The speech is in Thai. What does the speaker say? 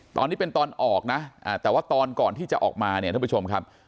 ตอนนี้เป็นตอนออกนะแต่ว่าตอนก่อนที่จะออกมาเนี่ยท่านผู้ชมครับ